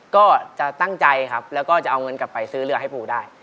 ก็จะตั้งใจครับแล้วก็จะเอาเงินกลับไปซื้อเรือให้ปูได้